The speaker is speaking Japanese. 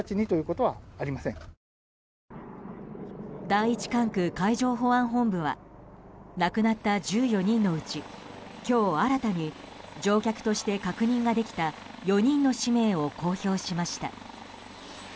第１管区海上保安本部は亡くなった１４人のうち今日、新たに乗客として確認ができた４人の氏名を公表しました。